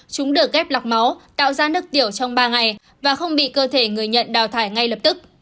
chúng được ghép lọc máu tạo ra nước tiểu trong ba ngày và không bị cơ thể người nhận đào thải ngay lập tức